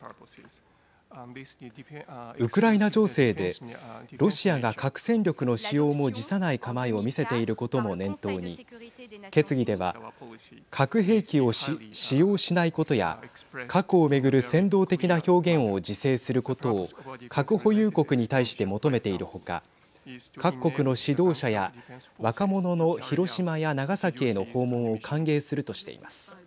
ウクライナ情勢でロシアが核戦力の使用も辞さない構えを見せていることも念頭に決議では核兵器を使用しないことや核を巡る扇動的な表現を自制することを核保有国に対して求めている他各国の指導者や若者の広島や長崎への訪問を歓迎するとしています。